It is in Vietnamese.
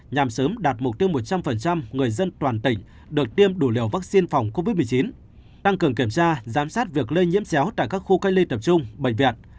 nhằm sớm đạt mục tiêu một trăm linh người dân toàn tỉnh được tiêm đủ liều vaccine phòng covid một mươi chín tăng cường kiểm tra giám sát việc lây nhiễm chéo tại các khu cách ly tập trung bệnh viện